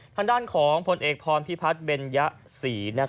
ทางด้านของผลเอกพรพิพัฒน์เบญยศรี